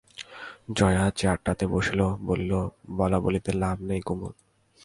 জয়া চেয়ারটাতে বসিল, বলিল, বলাবলিতে লাভ নেই কুমুদ।